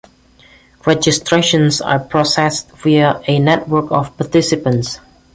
Registrations are processed via a network of participants.